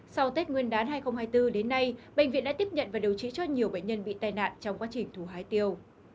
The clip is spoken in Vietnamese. sau tết nguyên đán hai nghìn hai mươi bốn đến nay bệnh viện đã tiếp nhận và điều trị cho nhiều bệnh nhân bị tai nạn trong quá trình thù hái tiêu